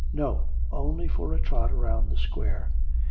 'No; only for a trot round the Square.'